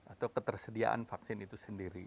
atau ketersediaan vaksin itu sendiri